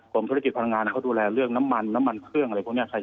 ธุรกิจพลังงานเขาดูแลเรื่องน้ำมันน้ำมันเครื่องอะไรพวกนี้